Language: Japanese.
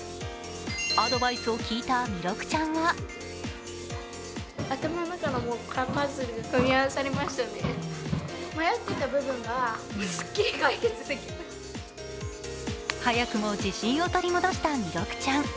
アドバイスを聞いた弥勒ちゃんは早くも自信を取り戻した弥勒ちゃん。